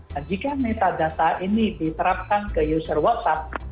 nah jika metadata ini diterapkan ke user whatsapp